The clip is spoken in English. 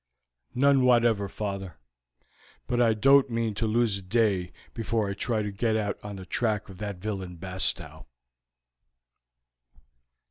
"None whatever, father; but I don't mean to lose a day before I try to get on the track of that villain Bastow."